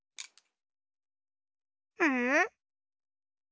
うん？